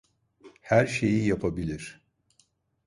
Her şeyi yapabilir.